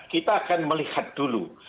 kita akan melihat dulu